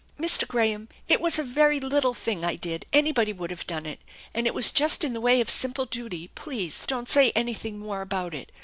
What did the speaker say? " Mr. Graham, it was a very little thing I did, anybody would have done it, and it was just in the way of simple duty. Please don't say anything more about it.